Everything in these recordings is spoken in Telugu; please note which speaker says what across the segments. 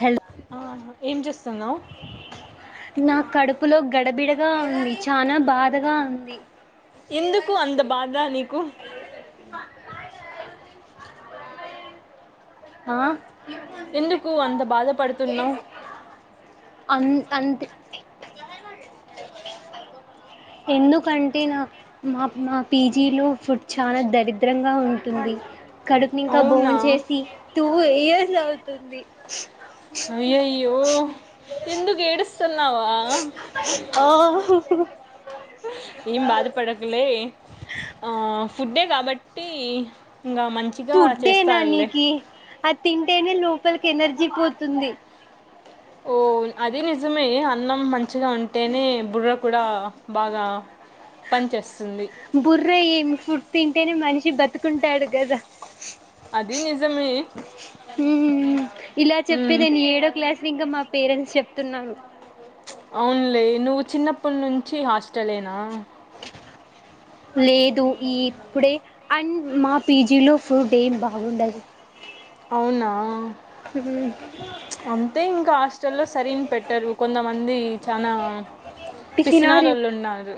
Speaker 1: హలో
Speaker 2: ఆ ఏం చేస్తున్నావు
Speaker 1: నా కడుపులో గడబిడగా ఉంది చనా బాధగా ఉంది
Speaker 2: ఎందుకు అంత బాధ నీకు
Speaker 1: ఆ
Speaker 2: ఎందుకు అంత బాధపడుతున్నావ్
Speaker 1: అ అంత ఎందుకంటే నా మా మా పీజీలో ఫుడ్ చాలా దరిద్రంగా ఉంటుంది. కడు ఇంకా
Speaker 2: అవునా
Speaker 1: బోన్ చేసి తూ ఇ అవుతుంది.
Speaker 2: అయ్యయ్యో ఎందుకు ఏడుస్తన్
Speaker 1: ఆ
Speaker 2: ఏం బాధపడకులే ఆ ఫుడ్డే కాబట్టి ఇంకా మంచిగా
Speaker 1: ఫుడ్డేనా
Speaker 2: చేస్తారులే
Speaker 1: నీకి అద్ తిం టేనే లోపల్కి ఎనర్జీ పోతుంది.
Speaker 2: ఓ అది నిజమే అన్నం మంచిగా ఉంటేనే బుర్ర కూడా బాగా పనిచేస్తుంది
Speaker 1: బుర్ర ఏం ఫుడ్ తింటేనే మని బతికుంటాడు గదా
Speaker 2: అది నిజమే
Speaker 1: ఇలా
Speaker 2: ఉమ్,
Speaker 1: చెప్పేదే నేను ఏడో క్లాస్ ఇంకా మా పేరెంట్స్ చెప్తున్నాను.
Speaker 2: అవునులే నువ్వు చిన్నప్పటి నుంచి హాస్టలేనా
Speaker 1: లేదు ఈ ఇప్పుడే అండ్ మా పీజీలో ఫుడ్ ఏం బాగుండదు.
Speaker 2: అవునా అంతే ఇంకా హాస్టల్లో సరిన్ పెట్టరు. కొంతమంది చానా
Speaker 1: పిసినారి
Speaker 2: పిసినారోళ్ళు ఉన్నారు.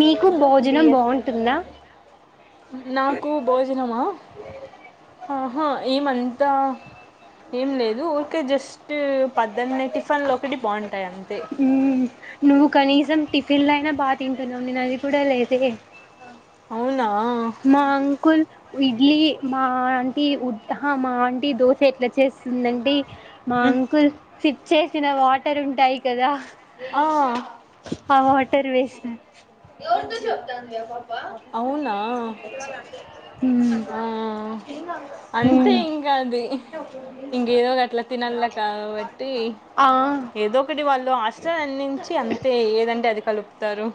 Speaker 1: మీకు భోజనం బాగుంటుందా
Speaker 2: నాకు భోజనమా అ హ ఏమంతా ఏం లేదు ఊరికే జస్ట్ పద్దన్నే టిఫిన్లు ఒకటి బాగుంటాయి అంతే
Speaker 1: నువ్వు కానీసం టిఫిన్లు అయినా బాగా తింటున్నాం నేను అది కూడా లేదే
Speaker 2: అవునా
Speaker 1: మా అంకుల్ ఇడ్లీ మా ఆంటీ అహ మా ఆంటీ దోశ ఎట్ల చేస్తుందంటే మా
Speaker 2: ఉమ్,
Speaker 1: అంకుల్ సి చేసిన వాటర్ ఉంటాయి కదా
Speaker 2: ఆ,
Speaker 1: ఆ వా త్తర్ వేసిన ఎవరితో చెప్తుంది అ పాప
Speaker 2: అవునా ఆ అంతే
Speaker 1: మ్
Speaker 2: ఇంకా అది ఇంకేదో గట్లా తినాల కాబట్టి
Speaker 1: ఆ
Speaker 2: సో హస్టల్ అన్నించి అంతే ఏదంటే అది కలుపుతారు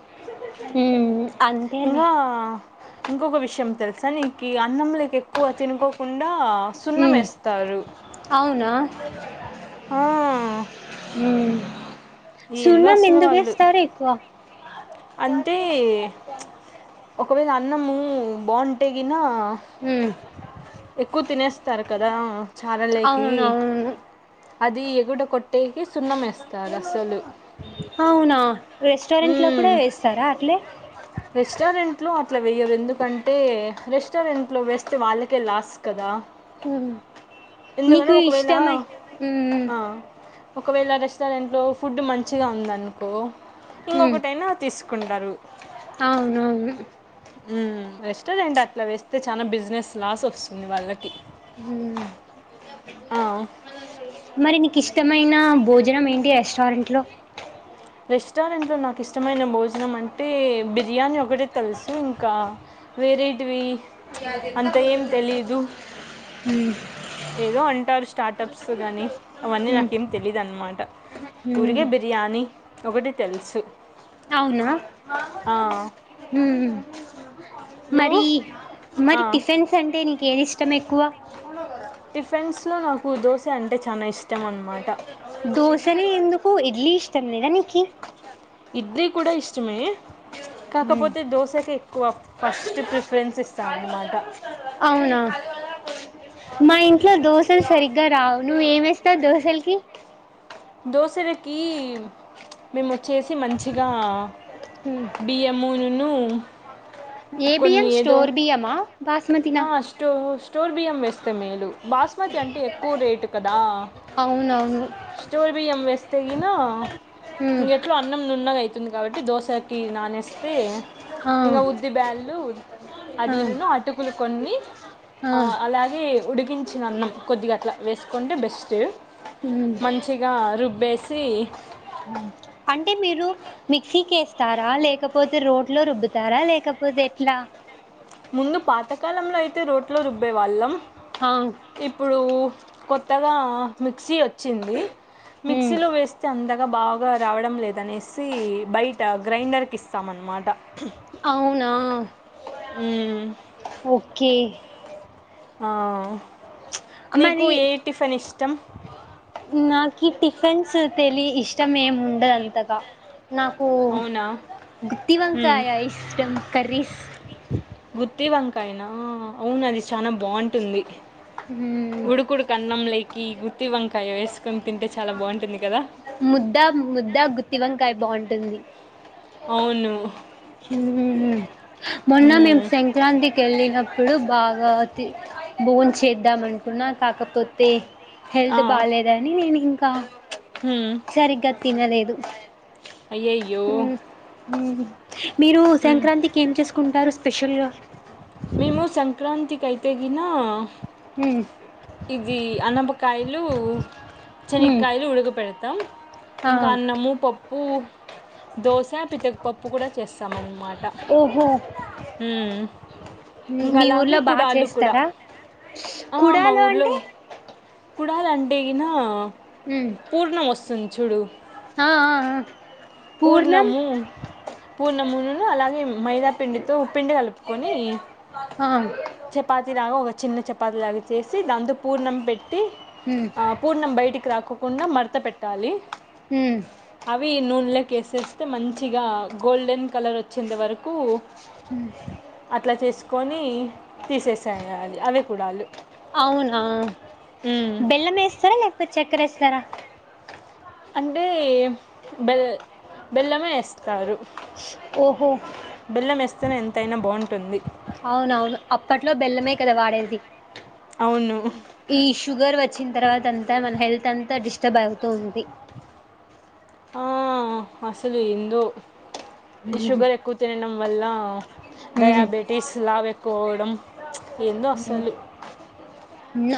Speaker 1: ఉమ్ అంతే లే.
Speaker 2: యం తెలుసా నీకీ అన్నంలోకి ఎక్కువ తినుకోకుండా సున్నం
Speaker 1: ఉమ్
Speaker 2: ఏస్తారు.
Speaker 1: ఊ
Speaker 2: ఏందో
Speaker 1: సున్నం
Speaker 2: అసలు
Speaker 1: ఎందుకే
Speaker 2: వాళ్ళు
Speaker 1: స్తారు ఎక్కువ.
Speaker 2: అంటే ప్చ్ ఒకవేళ అన్నమూ బాగుంటే గినా
Speaker 1: ఉమ్
Speaker 2: ఎక్కువ తినేస్తారు కదా చారలేకీ
Speaker 1: అవునవును
Speaker 2: అదీ గూడ కొట్ టేకి సున్నం ఏస్తారు అసలు.
Speaker 1: అవునా రెస్టారెంట్ లో కూడా
Speaker 2: మ్మ్.
Speaker 1: వేస్తారా అట్లే.
Speaker 2: రెస్టారెంట్లో అట్లా వెయ్యరు. ఎందుకంటే రెస్టారెంట్లో వేస్తే వాళ్ళకే లాస్ కదా. ఎందుకంటే
Speaker 1: నీకు
Speaker 2: ఒకవేళ
Speaker 1: ఇష్టమై ఉమ్
Speaker 2: ఆ, ఒకవేళ రెస్టారెంట్లో ఫుడ్ మంచిగా ఉందనుకో
Speaker 1: ఉమ్
Speaker 2: ఇంకొకటైనా తీసుకుంటారు.
Speaker 1: అవునవును.
Speaker 2: ఉమ్ రెస్టారెంట్ అట్లా వేస్తే చానా బిజినెస్ లాస్ వస్తుంది వాళ్ళకి.
Speaker 1: ఉమ్
Speaker 2: ఆ,
Speaker 1: మరి నీక్ ఇష్ మైనా భోజనం ఏంటి రెస్టారెంట్లో.
Speaker 2: రెస్టారెంట్లో నాకు ఇష్టమైన భోజనం అంటే బిర్యానీ ఒకటే తెలుసు. ఇంకా వేరే టివి ప్చ్ అంత ఏం తెలీదు.
Speaker 1: ఉమ్
Speaker 2: ఏదో అంటారు స్టార్టప్స్ గానీ, అవన్నీ
Speaker 1: ఉమ్
Speaker 2: నాకేం తెలీదన్నమాట.
Speaker 1: ఉమ్
Speaker 2: ఊరికే బిర్యానీ ఒకటి తెలుసు.
Speaker 1: అవునా ఉ ఊ
Speaker 2: నువ్వు
Speaker 1: మరీ. మరి టిఫెన్స్ అంటే నీకేది ఇష్ట్ టం ఎక్కువా
Speaker 2: టిఫెన్స్ లలో నాకు దోశ అంటే చానా ఇష్టం అన్నమాట.
Speaker 1: దోశనే ఎందుకు ఇడ్లీ ఇష్టం లేదా నీకి.
Speaker 2: ఇడ్లీ కూడా ఇష్టమే. కాకపోతే దోసె కె ఎక్ కో పష్ట్
Speaker 1: అవునా మైండ్ ఇట్లా దోసలు సరిగ్గా రావు నువ్ ఏమేస్తావ్ దోసల్ కి
Speaker 2: దోశలకి మేము వచ్చేసి మంచిగా బియ్యమూను
Speaker 1: ఏ బియ్యం స్టోర్ బియ్యమ బాస్మతినా?
Speaker 2: టోర్ బియ్యం వేస్తే మేలు బాస్మతి అంటే ఎక్కువ రేటు కదా
Speaker 1: అవునవును
Speaker 2: స్టోర్ బియ్యం వేస్ పోయిన
Speaker 1: ఉమ్
Speaker 2: ఇం ఎట్లా అన్నం నున్నది వతుంది కాబట్టి దోశకి నానేస్తే
Speaker 1: హా
Speaker 2: వాళ్ళు అదిల్లు అటుకులు కొన్ని ఆ అలాగే ఉడికించిన అన్నం కొద్దిగ అట్లా వేసుకుంటే బెస్ట్
Speaker 1: ఉమ్
Speaker 2: మంచిగా రు బేసి
Speaker 1: అంటే మీరు మిక్సీకి వేస్తారా లేకపోతే రోడ్లో రుబ్బుతారా లేకపోతే ఎట్లా
Speaker 2: ముందు పాతకాలంలో అయితే రోట్లో రుబ్బే వాళ్ళం
Speaker 1: ఆ
Speaker 2: ఇప్పుడు కొత్తగా మిక్సీ వచ్చింది మిక్సీ
Speaker 1: ఉమ్
Speaker 2: లో వేస్తే అందా ఇగ బాగా రావడం లేదనేసి బయట గ్రైండర్కి ఇస్తామ్ అనమాట
Speaker 1: అవునా ఓకే
Speaker 2: ఆ నీకు
Speaker 1: మరి
Speaker 2: ఏ టిఫిన్ ఇష్ టం
Speaker 1: నాకి టిఫిన్స్ తెలి ఇష్టం ఏం ఉండదంతగా నాకు
Speaker 2: అవునా
Speaker 1: గుత్తి
Speaker 2: ఉమ్
Speaker 1: వంకాయ ఇష్టం కర్రీస్
Speaker 2: గుర్తి వంకాయనా అవును అది చానా బాగుంటుంది
Speaker 1: మ్మ్
Speaker 2: ఉడుకుడుకన్నం లేకి గు గుత్తి వంకాయ వేసుకని తింటే చాలా బాగుంటుంది కదా.
Speaker 1: ముద్ద ముద్ద గుత్తి వంకాయ బాగుంటుంది.
Speaker 2: అవును
Speaker 1: హు మొన్న
Speaker 2: ఉమ్
Speaker 1: మేము సంక్రాంతికి వెళ్ళిన ఇప్పుడు భాగమతి బోన్ చేద్దాం అనుకున్నా కాకపోతే హెల్త్
Speaker 2: ఆ
Speaker 1: బాలేదని నేను ఇంకా
Speaker 2: ఉమ్
Speaker 1: కం సరిగ్గా తినలేదు
Speaker 2: అయ్యయ్యో
Speaker 1: హు ఉహు మీరు
Speaker 2: ఉమ్
Speaker 1: సంక్రాంతికి ఏం చేసుకుంటారు స్పెషల్ గా
Speaker 2: మేము సంక్రాంతికి అయితే గిన
Speaker 1: మ్మ్
Speaker 2: ఇది అన్నప కాయలు
Speaker 1: మ్మ్
Speaker 2: చెనిక్కాయలు ఉడకబెడతాం త్తం
Speaker 1: ఆ
Speaker 2: ఇంకా అన్నము పప్పు ఊ దోశ పితడుపప్పు కూడా చేస్తాం అన్నమాట ట
Speaker 1: ఓహో
Speaker 2: హు
Speaker 1: మీ ఊర్లో బాగా చేస్తారా కుడాలు అంటే
Speaker 2: కుడాలు అంటే గిన
Speaker 1: ఉమ్
Speaker 2: పూర్ణం వస్తుంది చూడు
Speaker 1: ఆ ఆ పూర్ణం
Speaker 2: పూర్ణము పూర్ణమును అలాగే మైదా పిండితో ఉ పిండి కలుపుకొని
Speaker 1: ఆ
Speaker 2: చపాతిలాగా ఒక చిన్న చపాతిలాగా చేసి దాంతో పూర్ణం పెట్టి
Speaker 1: ఉమ్
Speaker 2: ఆ పూర్ణం బయటికి రాకోకుండా మర్ మర్త పెట్టాలి
Speaker 1: ఉమ్
Speaker 2: అవి నూనలె కేసేస్తే మంచిగా గోల్డెన్ కలర్ వచ్చేంత వరకు అట్లా చేసుకొని తీసేసేయాలి అవి కూడాలు
Speaker 1: అవునా
Speaker 2: హు
Speaker 1: బెల్లం వేస్తారా లేకపోతే చక్కెర వేస్తారా
Speaker 2: అంటే బెల్ బెల్లమే వేస్తారు
Speaker 1: ఓహో
Speaker 2: ఎస్తానే ఎంతైనా బాగుంటుంది
Speaker 1: అవునవును అప్పట్లో బెల్లమే కదా వాడేది
Speaker 2: అవును
Speaker 1: ఈ షుగర్ వచ్చిన తర్వాత అంతా మన హెల్త్ అంతా డిస్టర్బ్ అవుతుంది
Speaker 2: ఆ అసలు ఏందో ఈ
Speaker 1: ఉమ్
Speaker 2: షుగర్ ఎక్కువ తినడం వల్ల
Speaker 1: ఉమ్
Speaker 2: డయాబెటీస్ లావు ఎక్కువ అవడం ఏందో అసలు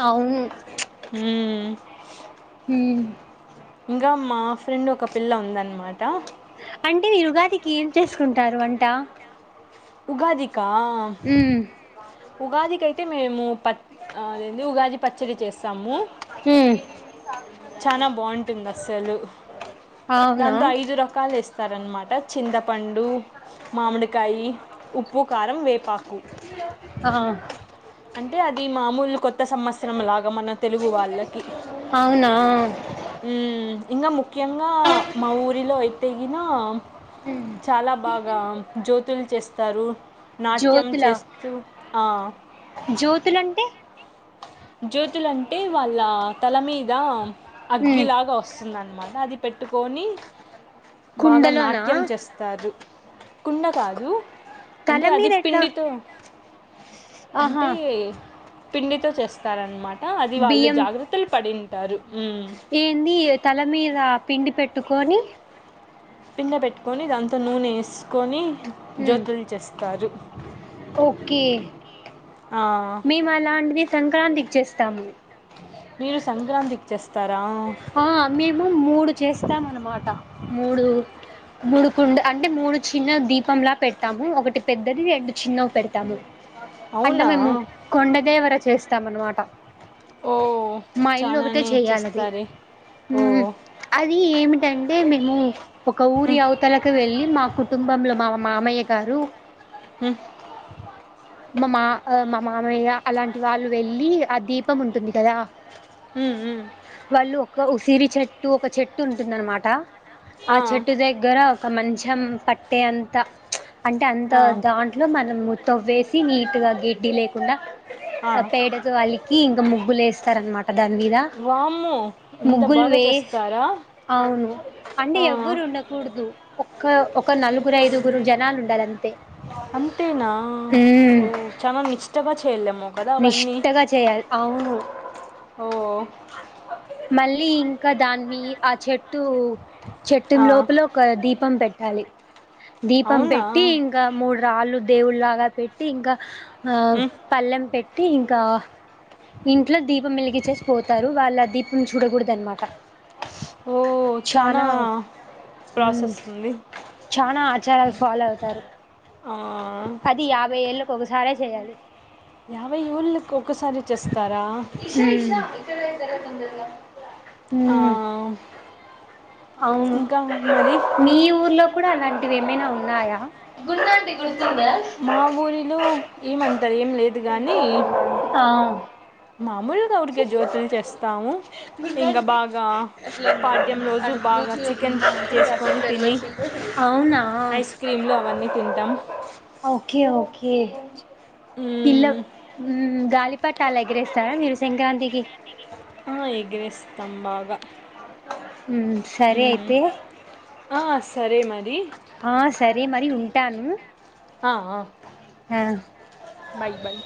Speaker 1: అవును
Speaker 2: హ
Speaker 1: హ
Speaker 2: ఇంకా మా ఫ్రెండ్ ఒక పిల్ల ఉందనమాట
Speaker 1: అంటే మీరు ఉగాది కి ఏం చేసుకుంటారు అంట
Speaker 2: ఉగాది కా ఉగాదికియితే మేము ప ఉగాది పచ్చడి చేస్తాము
Speaker 1: హ
Speaker 2: చానా బాగుంటుంది అస్సలు
Speaker 1: అవునా
Speaker 2: దాంతో ఐదు రకాలు ఇస్త స్తారనమాట చింతపండు మామిడికాయి ఉప్పు కారం వేపాకు
Speaker 1: ఆ
Speaker 2: అంటే అది మామూలు కొత్త సంవత్సరం లాగా మన తెలుగు వాళ్ళకి
Speaker 1: స అవునా
Speaker 2: ఇంకా ముఖ్యంగా మా ఊరిలో అయితేగిన చాలా బాగా జ్యోతులు చేస్తారు నాట్యం
Speaker 1: జ్యోతుల
Speaker 2: చేస్తూ
Speaker 1: జ్యోతుల అంటే
Speaker 2: జ్యోతులంటే వాళ్ళ తల మీద అగ్గిలాగా వస్తుంది వస్తుందనమాట అది పెట్టుకొని బాగా
Speaker 1: కుండలోనా
Speaker 2: నాట్యం చేస్తారు కుండ కాదు
Speaker 1: తల
Speaker 2: అంటే అది
Speaker 1: మీద ఎట్లా
Speaker 2: పిండితో
Speaker 1: ఆహా
Speaker 2: అంటే పిండితో చేస్త తరణమాట
Speaker 1: బియ్యం
Speaker 2: మ్మ్.
Speaker 1: ఏంది తల మీద పిండి పెట్టుకు కానీ
Speaker 2: పిండ పెట్టుకొని దాంతో నూనె వేసుకొని జ్యోతులు చేస్తారు
Speaker 1: ఒకే
Speaker 2: ఆ,
Speaker 1: మీ మలాంటింది సంక్రాంత చేస్తాము
Speaker 2: మీరు సంక్రాంతికి చేస్తా
Speaker 1: ఆ మేము మూడు చేస్తాం అనమాట మూడు మూడు కుండ అంటే మూడు చిన్న దీపంలా పెడతాము ఒకటి పెద్దది రెండు చిన్నవి పెడతాము అంటే
Speaker 2: అవునా
Speaker 1: మేము కొండదేవర చేస్ తామనమాట
Speaker 2: ఓ చాలానే ఇచ్చేస్తారే
Speaker 1: ఉహ్మ్ అది ఏమిటంటే మీ ము ఒక ఊరి
Speaker 2: మ్మ్,
Speaker 1: అవతలకు వెళ్ళి. మా కుటుంబంలో మా మామయ్య గారు
Speaker 2: ఉహ్
Speaker 1: మా మా మామయ్య అలాంటి వాళ్ళు వెళ్ళి ఆ దీపం ఉంటుంది కదా.
Speaker 2: ఉహ్ హు
Speaker 1: వాళ్ళు ఒక ఉసిరి చెట్టు ఒక చెట్టు ఉంటుందనమాట. ఆ చెట్టు దగ్గర ఒక మంచం పట్టే అంత అంటే అంత
Speaker 2: ఆ,
Speaker 1: దాంట్లో మనము తవ్వేసి నీటుగా గేడ్డి లేకుండా. ఆ పేడతో అలీకి ఇంకా ముగ్గులు వేస్ స్తరన్నమాట. దానిమీద
Speaker 2: వామ్మో ఇంత
Speaker 1: ముగ్గుల్
Speaker 2: బాగా
Speaker 1: వేస్
Speaker 2: చేస్తారా
Speaker 1: అవును అంటే
Speaker 2: ఆ,
Speaker 1: ఎవ్వరు ఉండకూడుదు. ఒక ఓక్ ఒక నలుగురు ఐదుగురు జనాలు ఉండాల అంతే
Speaker 2: అంతేనా ఓ
Speaker 1: ఉహ్మ్
Speaker 2: చాలా నిష్టగా చేయలేము కదా అవన్నీ
Speaker 1: నిష్టగా చేయాలి అవును.
Speaker 2: ఓ
Speaker 1: మళ్ళీ ఇంకా దాన్ని ఆ చెట్ టు చెట్టు
Speaker 2: ఆ
Speaker 1: లోపల ఒక దీపం పెట్ లి దీపం
Speaker 2: అవునా
Speaker 1: పెట్టి ఇంగా మూడు రాళ్ళు. దేవుళ్ళగా పెట్టి ఇంగా ఆహ్
Speaker 2: ఉమ్.
Speaker 1: లం పెట్టి ఇంకా ఇంట్లో దీపం వెలిగ చేసి పోతారు వాళ్ళ దీపం చూడకూడదు అనమాట.
Speaker 2: ఓ చనా
Speaker 1: చానా
Speaker 2: ప్రాసెస్ ఉంది.
Speaker 1: చానా ఆచారాలు ఫాలో అవుతారు.
Speaker 2: ఆహ్
Speaker 1: ఒక ఒకసారే చేయ్యాలి.
Speaker 2: యావై ఊళ్ళకి ఒకసారి చేస్తారా
Speaker 1: [unintelligible] ఆయ్.
Speaker 2: ఆ
Speaker 1: అవును
Speaker 2: ఇంకా మరి
Speaker 1: మీఊరి. ఎప్పుడన్నా అంటివి, ఏమైనా ఉన్నాయా. గుర్తుందా
Speaker 2: మా ఊరిలో, ఏమంతా, ఏం లేదు, గానీ.
Speaker 1: ఆ
Speaker 2: మామూలుగా ఊరికే జ్యోతుల్ చేస్తాము, ఇంకా బాగా, పాడ్యం రోజు బాగా చికెన్ చేసుకొని, తిని
Speaker 1: అవునా
Speaker 2: ఐస్ క్రీమ్, లు అవన్నీ తింటాం.
Speaker 1: ఎద్. పిల్ల
Speaker 2: మ్మ్
Speaker 1: ఉమ్ గాలి. పట్టలెగిరెస్తారని తెలుసు. సంక్రాంతికి.
Speaker 2: ఆ ఎగిరేస్తాం బాగా.
Speaker 1: ఉమ్ సరే అయితే
Speaker 2: ఆ సరే మరి.
Speaker 1: ఆ సరే మరి ఉంటాను. అ.
Speaker 2: మైల్బల్.